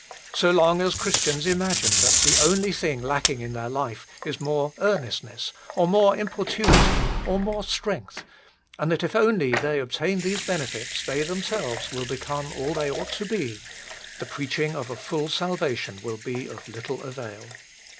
So long as Christians imagine that the only thing lacking in their life is more earnestness, or more importunity, or more strength, and that if they only obtain these benefits they themselves will become all they ought to be, the preaching of a full salvation will be of little avail.